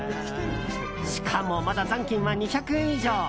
しかも、まだ残金は２００円以上。